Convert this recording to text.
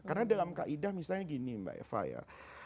karena dalam kaidah misalnya gini mbak eva ya